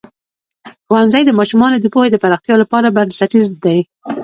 ښوونځی د ماشومانو د پوهې د پراختیا لپاره بنسټیز دی.